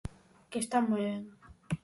Que está ben.